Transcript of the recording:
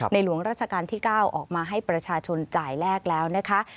หลวงราชการที่๙ออกมาให้ประชาชนจ่ายแลกแล้วนะคะ